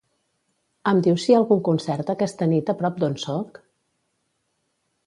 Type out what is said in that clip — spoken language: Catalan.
Em dius si hi ha algun concert aquesta nit a prop d'on soc?